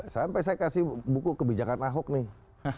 sampai saya kasih buku kebijakan ahok nih